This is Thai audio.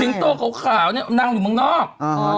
สิงโตเขาขาวนี่นางอยู่เมืองนอก